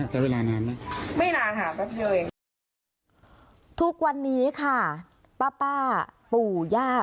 ทุกวันนี้ค่ะป้าป้าปู่ย่า